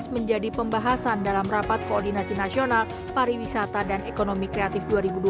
menjadi pembahasan dalam rapat koordinasi nasional pariwisata dan ekonomi kreatif dua ribu dua puluh